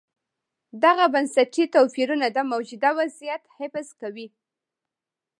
دغه بنسټي توپیرونه د موجوده وضعیت حفظ کوي.